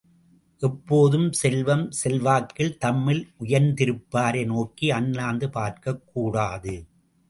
எப்போதும் செல்வம், செல்வாக்கில் தம்மில் உயர்ந்திருப்பாரை நோக்கி அண்ணாந்து பார்க்கக் கூடாது.